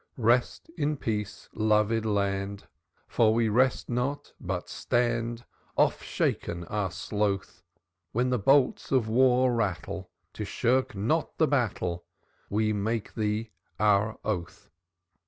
II. "Rest in peace, lovèd land, For we rest not, but stand, Off shaken our sloth. When the boils of war rattle To shirk not the battle, We make thee our oath.